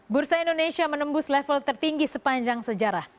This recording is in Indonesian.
bursa indonesia menembus level tertinggi sepanjang sejarah